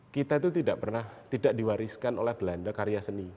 kita itu tidak diwariskan oleh belanda karya seni